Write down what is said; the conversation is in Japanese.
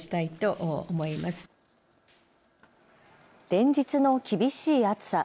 連日の厳しい暑さ。